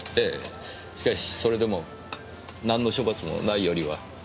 ええしかしそれでもなんの処罰もないよりは。